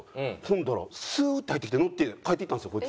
ほんだらスーッて入ってきて乗って帰っていったんですよ